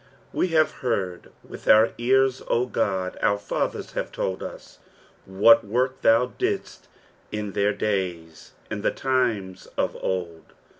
E have heard with our ears, O God, our fathers have told us, wfiat work thou didst in their days, in the times of old.